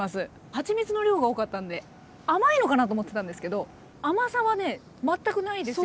はちみつの量が多かったので甘いのかなと思ってたんですけど甘さはね全くないですよ。